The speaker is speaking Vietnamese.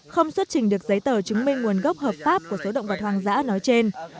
không xuất trình được giấy tờ chứng minh nguồn gốc hợp pháp của số động vật hoang dã nói trên